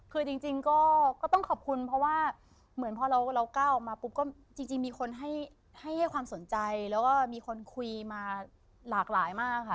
คือจริงก็ต้องขอบคุณเพราะว่าเหมือนพอเราก้าวออกมาปุ๊บก็จริงมีคนให้ความสนใจแล้วก็มีคนคุยมาหลากหลายมากค่ะ